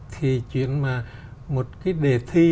thì chuyện mà một cái đề thi